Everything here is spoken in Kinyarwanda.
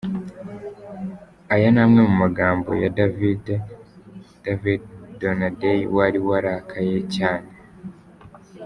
", Aya ni amwe mu magambo ya David David Donadei wari warakaye cyane.